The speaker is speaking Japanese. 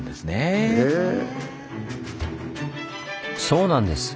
そうなんです。